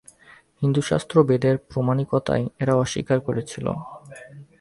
হিন্দুশাস্ত্র বেদের প্রামাণিকতাই এরা অস্বীকার করেছিল।